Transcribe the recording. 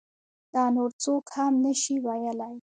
دا نور څوک هم نشي ویلی.